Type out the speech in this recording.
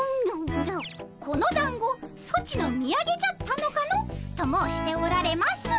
「このだんごソチのみやげじゃったのかの？」と申しておられます。